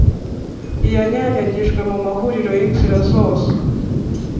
yanyanyagijwe mu mahuriro y’inzira zose!